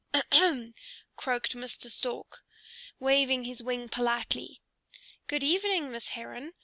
"Ahem!" croaked Mr. Stork, waving his wing politely. "Good evening, Miss Heron.